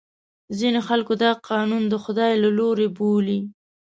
ځینې خلکو دا قانون د خدای له لورې بولي.